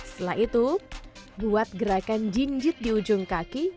setelah itu buat gerakan jinjit di ujung kaki